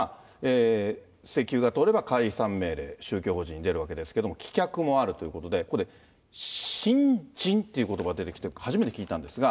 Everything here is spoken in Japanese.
請求が通れば解散命令、宗教法人に出るわけですけれども、棄却もあるということで、ここで、審尋ということばが出てきて、初めて聞いたんですが。